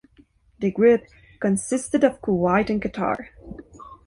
The group consisted of Kuwait and Qatar.